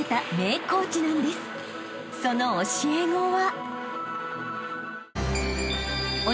［その教え子は］